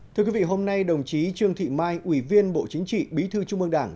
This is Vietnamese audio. thưa quý vị hôm nay đồng chí trương thị mai ủy viên bộ chính trị bí thư trung mương đảng